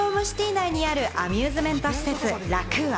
なにあるアミューズメント施設・ラクーア。